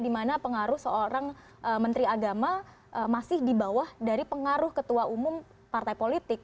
dimana pengaruh seorang menteri agama masih di bawah dari pengaruh ketua umum partai politik